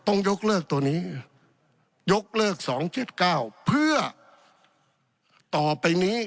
ต้องยกเลิกตัวนี้ยกเลิก๒๗๙เพื่อต่อไปนี้